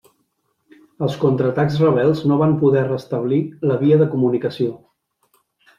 Els contraatacs rebels no van poder restablir la via de comunicació.